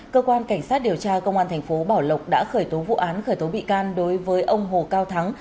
cơ quan cảnh sát điều tra công an thành phố bảo lộc đã khởi tố vụ án khởi tố bị can đối với ông hồ cao thắng